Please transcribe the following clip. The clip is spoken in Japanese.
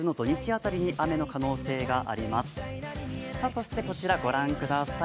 そしてこちらご覧ください。